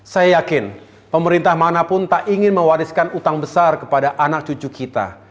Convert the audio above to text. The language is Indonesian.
saya yakin pemerintah manapun tak ingin mewariskan utang besar kepada anak cucu kita